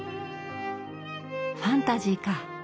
ファンタジーか。